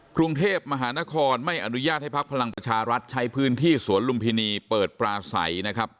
กรุงเทพมหานครไม่อนุญาตให้พักพลังประชารัฐใช้พื้นที่สวนลุมพินีเปิดปลาใสนะครับ